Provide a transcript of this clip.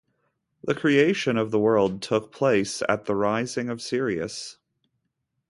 The creation of the world took place at the rising of Sirius.